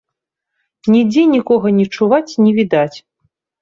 Нідзе нікога не чуваць, не відаць.